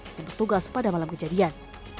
yang bertugas pada malam kejadian